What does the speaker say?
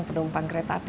penumpang kereta api